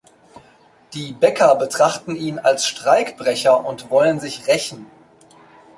Die Bäcker betrachten ihn als Streikbrecher und wollen sich rächen.